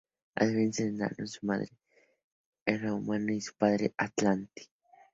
A diferencia de Namor, su madre era humana y su padre atlante.